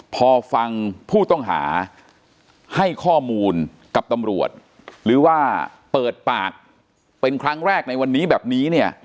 พอฟังผู้ต้องหาให้ข้อมูลกับตำรวจหรือว่าเปิดปากเป็นครั้งแรกในวันนี้แบบนี้เนี่ย